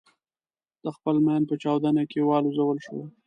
د خپل ماین په چاودنه کې والوزول شو.